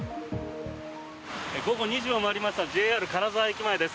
午後２時を回りましたＪＲ金沢駅前です。